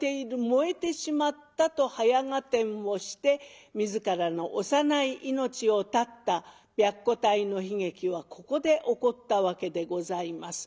燃えてしまった」と早合点をして自らの幼い命を絶った白虎隊の悲劇はここで起こったわけでございます。